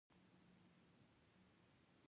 اسناد او پیسې را وبهر کړې، کوټ مې و ځړاوه.